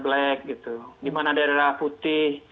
black gitu di mana daerah putih